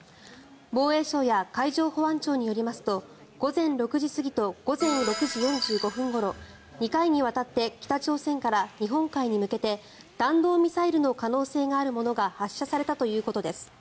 防衛省や海上保安庁によりますと午前６時過ぎと午前６時４５分ごろ２回にわたって北朝鮮から日本海に向けて弾道ミサイルの可能性があるものが発射されたということです。